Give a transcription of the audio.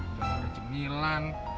jangan ada cemilan